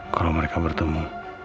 kalau mereka bertemu